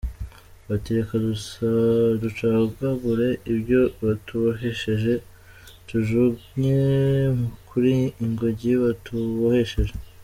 Bati “Reka ducagagure ibyo batubohesheje, Tujugunye kure ingoyi batubohesheje.”